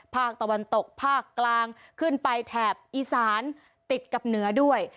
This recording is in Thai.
ภาคตะวันตกภาคกลางขึ้นไปแถบอีสานติดกับเหนือด้วย